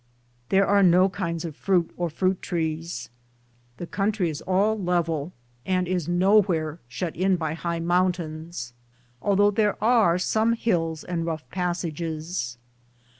There are no kinds of fruit or fruit trees. The country is all level, and is nowhere shut in by high mountains, although there are some hills and rough passages.'